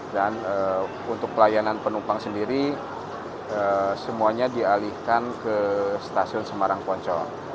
dan untuk pelayanan penumpang sendiri semuanya dialihkan ke stasiun semarang poncol